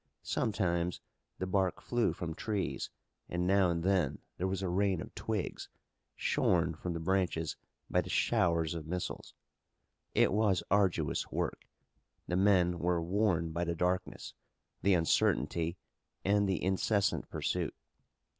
Some times the bark flew from trees and now and then there was a rain of twigs, shorn from the branches by the showers of missiles. It was arduous work. The men were worn by the darkness, the uncertainty and the incessant pursuit.